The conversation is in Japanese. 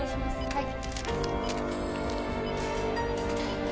はい。